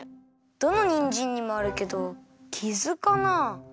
どのにんじんにもあるけどキズかなあ？